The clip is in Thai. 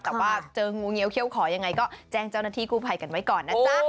แต่ว่าเจองูเงี้ยเขี้ยขอยังไงก็แจ้งเจ้าหน้าที่กู้ภัยกันไว้ก่อนนะจ๊ะ